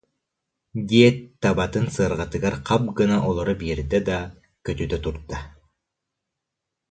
диэт, табатын сыарҕатыгар хап гына олоро биэрдэ да, көтүтэ турда